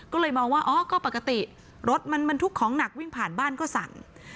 ก็เลยมองว่าอ๋อก็ปกติรถมันบรรทุกของหนักวิ่งผ่านบ้านก็สั่ง